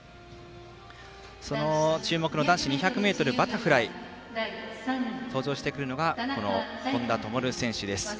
注目の男子２００ｍバタフライ登場してくるのが本多灯選手です。